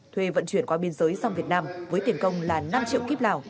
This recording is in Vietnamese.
thuê vận chuyển qua biên giới sang việt nam với tiền công là năm triệu kíp lào